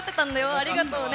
ありがとうね。